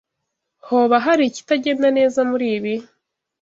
Hoba hari ikitagenda neza muribi?